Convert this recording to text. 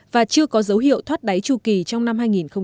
và chưa có dấu hiệu thoát đáy trù kỳ trong năm hai nghìn một mươi sáu